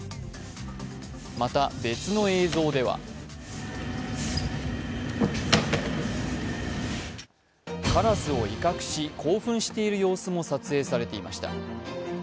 また、別の映像ではからすを威嚇し、興奮している様子も撮影されていました。